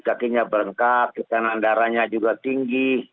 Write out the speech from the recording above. kakinya berengkat kekenangan darahnya juga tinggi